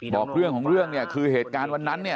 บอกเรื่องของเรื่องเนี่ยคือเหตุการณ์วันนั้นเนี่ย